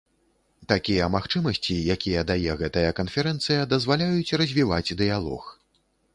Такія магчымасці, якія дае гэтая канферэнцыя, дазваляюць развіваць дыялог.